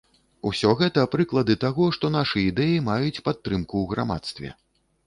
Усё гэта прыклады таго, што нашы ідэі маюць падтрымку ў грамадстве.